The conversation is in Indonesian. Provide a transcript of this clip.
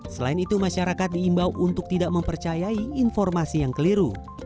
selain itu masyarakat diimbau untuk tidak mempercayai informasi yang keliru